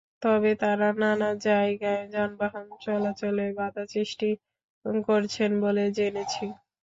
তবে তাঁরা নানা জায়গায় যানবাহন চলাচলে বাধা সৃষ্টি করছেন বলে জেনেছি।